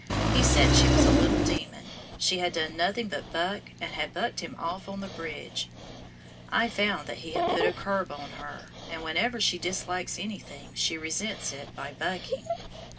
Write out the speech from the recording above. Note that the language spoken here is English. He said she was a little demon, she had done nothing but buck, and had bucked him off on the bridge! I found that he had put a curb on her, and whenever she dislikes anything she resents it by bucking.